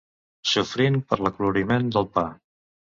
Sofrint per l'acoloriment del pa.